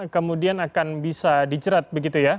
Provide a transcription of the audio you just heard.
kemudian akan bisa dijerat begitu ya